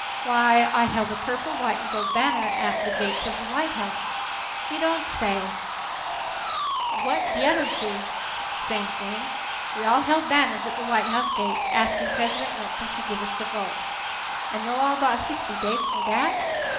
"Why, I held a purple, white and gold banner at the gates of the White House." "You don' say so! What de odders do?" "Same thing. We all held banners at the White House gates asking President Wilson to give us the vote." "An' yo' all got sixty days fo' dat?"